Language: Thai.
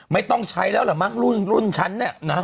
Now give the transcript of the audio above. ไม่ต้องใช้แล้วแหละรุ่นชั้นนี้